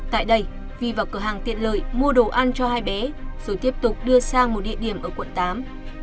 tại đây vi vào cửa hàng tiện lợi mua đồ ăn cho hai bé rồi tiếp tục đưa sang một địa điểm ở quận tám